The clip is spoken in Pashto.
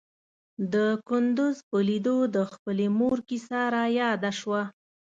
د کندوز په ليدو د خپلې مور کيسه راياده شوه.